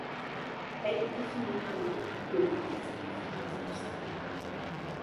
Elle est définie par le calcul de l'indice de finesse du sable.